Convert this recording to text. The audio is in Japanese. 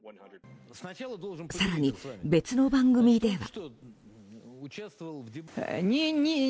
更に、別の番組では。